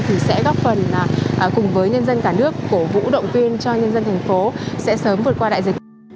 thì sẽ góp phần cùng với nhân dân cả nước cổ vũ động viên cho nhân dân thành phố sẽ sớm vượt qua đại dịch